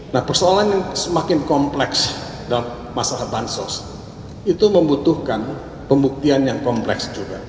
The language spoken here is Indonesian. nah persoalan yang semakin kompleks dalam masalah bansos itu membutuhkan pembuktian yang kompleks juga